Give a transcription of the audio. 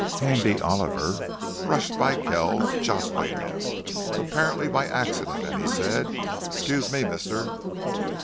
Handy Oliver brushed by Kells, jostled him, apparently by accident, and he said, "Excuse me, mister!"